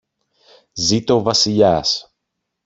Ζήτω ο Βασιλιάς!